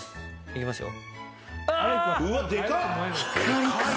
いきますよ。